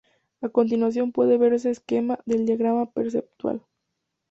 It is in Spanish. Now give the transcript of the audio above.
A continuación puede verse esquema del diagrama perceptual.